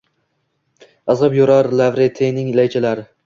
Izg’ib yurar Lavrentiyning laychalari.